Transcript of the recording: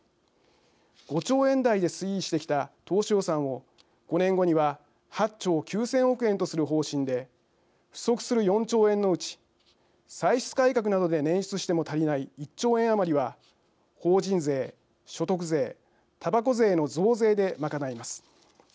５兆円台で推移してきた当初予算を５年後には８兆９０００億円とする方針で不足する４兆円のうち歳出改革などで捻出しても足りない１兆円余りは法人税、所得税、たばこ税の増税で賄います。